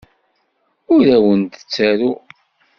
Ur awent-d-ttaruɣ.